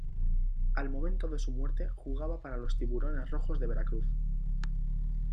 Al momento de su muerte, jugaba para los Tiburones Rojos de Veracruz.